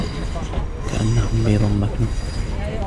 كَأَنَّهُنَّ بَيْضٌ مَكْنُونٌ